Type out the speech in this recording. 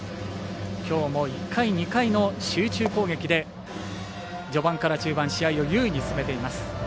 きょうも１回、２回の集中攻撃で序盤から中盤、試合を優位に進めています。